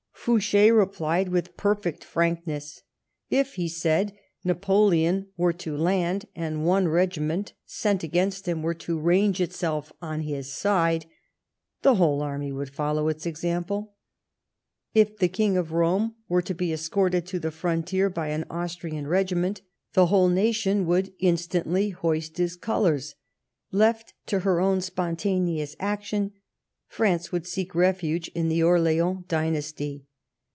Fouche replied with perfect frank ness. If, he said, Napoleon were to land, and one regiment sent against him were to range itself on his side, the whole army would follow its example ; if the King of Rome were to be escorted to the frontier by an Austriart regiment, the whole nation would instantly hoist his colours ; left to her own spontaneous action, France would seek refuge in the Orleans dynasty.